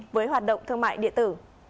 với hoạt động thương mại điện tử